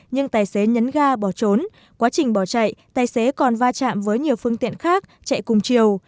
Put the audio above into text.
nhưng tài xế nhấn ga bỏ trốn quá trình bỏ chạy tài xế còn va chạm với nhiều phương tiện khác chạy cùng chiều